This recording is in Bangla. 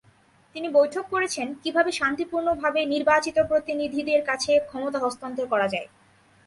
তিনি বৈঠক করেছেন কীভাবে শান্তিপূর্ণভাবে নির্বাচিত প্রতিনিধিদের কাছে ক্ষমতা হস্তান্তর করা যায়।